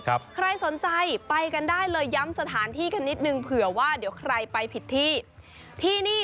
ใครสนใจไปกันได้เลยย้ำสถานที่กันนิดนึงเผื่อว่าเดี๋ยวใครไปผิดที่ที่นี่